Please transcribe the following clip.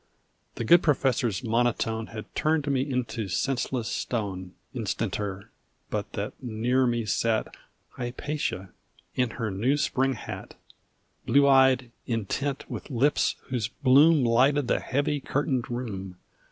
The good Professor's monotone Had turned me into senseless stone Instanter, but that near me sat Hypatia in her new spring hat, Blue eyed, intent, with lips whose bloom Lighted the heavy curtained room.